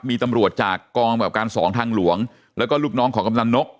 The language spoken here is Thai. มีตำรวจจากกองกำกับการสองทางหลวงแล้วก็ลูกน้องของกำลังนก